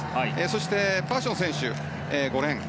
そして、パーション選手５レーン。